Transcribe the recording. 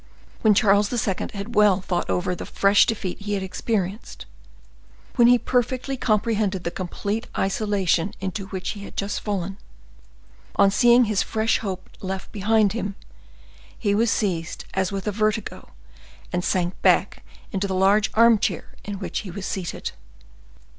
When Charles II. had well thought over the fresh defeat he had experienced, when he perfectly comprehended the complete isolation into which he had just fallen, on seeing his fresh hope left behind him, he was seized as with a vertigo, and sank back into the large armchair in which he was seated.